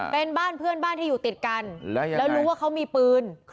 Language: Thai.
เป็นบ้านเพื่อนบ้านที่อยู่ติดกันแล้วรู้ว่าเขามีปืน